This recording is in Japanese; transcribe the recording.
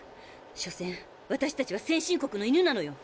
しょせん私たちは先進国の犬なのよ。